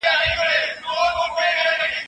خوشحال خان خټک د توریالیتوب او ملي روحیې سمبول و.